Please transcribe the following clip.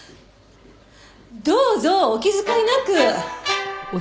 どうぞお気遣いなく！